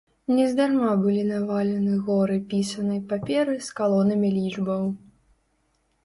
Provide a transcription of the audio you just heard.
Нездарма былі навалены горы пісанай паперы з калонамі лічбаў.